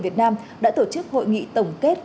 việt nam đã tổ chức hội nghị tổng kết